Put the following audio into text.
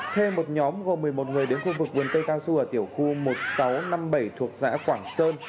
thuê một nhóm gồm một mươi một người đến khu vực vườn cây cao su ở tiểu khu một nghìn sáu trăm năm mươi bảy thuộc xã quảng sơn